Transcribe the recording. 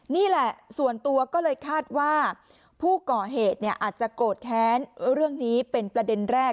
นี่แหละส่วนตัวก็เลยคาดว่าผู้ก่อเหตุอาจจะโกรธแค้นเรื่องนี้เป็นประเด็นแรก